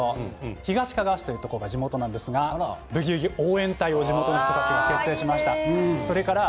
東かがわ市というところが地元なんですが「ブギウギ」応援隊を地元の人たちが結成しました。